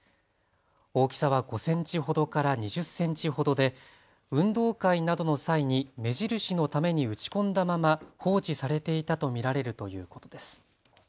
大きさは５センチほどから２０センチほどで運動会などの際に目印のために打ち込んだまま放置されていたと見られるということです。